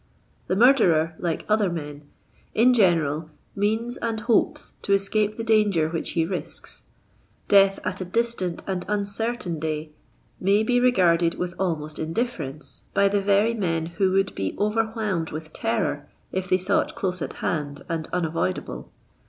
The murderer, like other men, in general means and hopes to escape the danger which he risks. Death at a distant and uncertain day «nay be regarded with almost indifference by the very men who would be over whelmed with terror if they saw it close at hand and unavoid able.